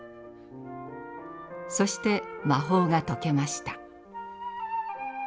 そして魔法が解けました。